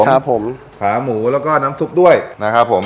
ครับผมขาหมูแล้วก็น้ำซุปด้วยนะครับผม